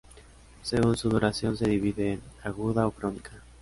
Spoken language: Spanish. Según su duración se divide en aguda o crónica.